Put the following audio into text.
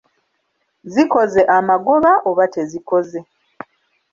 Zikoze amagoba oba tezikoze?